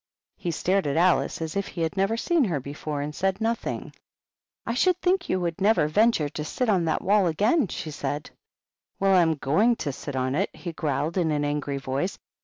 He stared at Alice as if he had never seen her before, and said nothing. " I should think you 100 HUMPTY DUMPTY. would never venture to sit on that waU again," she said. " Well, I'm going to sit on it," he growled, in an angry voice.